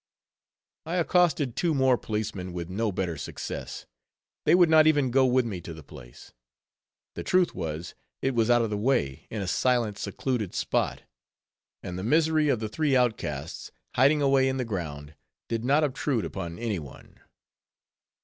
I accosted two more policemen, but with no better success; they would not even go with me to the place. The truth was, it was out of the way, in a silent, secluded spot; and the misery of the three outcasts, hiding away in the ground, did not obtrude upon any one.